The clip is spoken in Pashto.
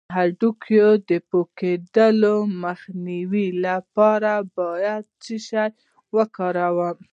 د هډوکو د پوکیدو مخنیوي لپاره باید څه شی وکاروم؟